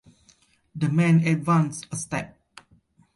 The man advanced a step.